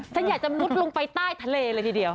ฉันอยากจะมุดลงไปใต้ทะเลเลยทีเดียว